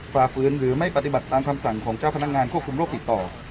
ฝ่าฝืนหรือไม่ปฏิบัติตามคำสั่งของเจ้าพนักงานควบคุมโรคติดต่อ